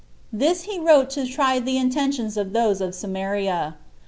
This he wrote to try the intentions of those of Samaria.